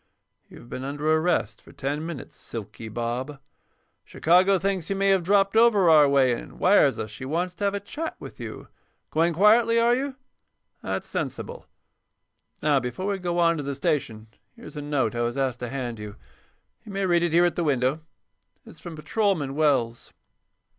"You've been under arrest for ten minutes, 'Silky' Bob. Chicago thinks you may have dropped over our way and wires us she wants to have a chat with you. Going quietly, are you? That's sensible. Now, before we go on to the station here's a note I was asked to hand you. You may read it here at the window. It's from Patrolman Wells."